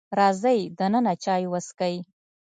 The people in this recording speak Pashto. راځئ دننه چای وسکئ.